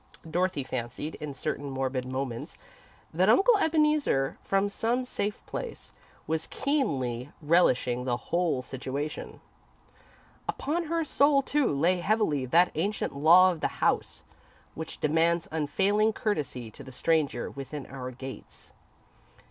Dorothy fancied, in certain morbid moments, that Uncle Ebeneezer, from some safe place, was keenly relishing the whole situation. Upon her soul, too, lay heavily that ancient Law of the House, which demands unfailing courtesy to the stranger within our gates.